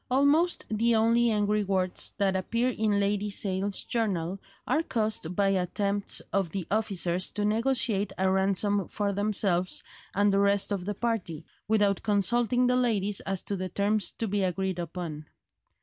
Almost the only angry words that appear in Lady Sale's journal are caused by attempts of the officers to negotiate a ransom for themselves and the rest of the party, without consulting the ladies as to the terms to be agreed upon.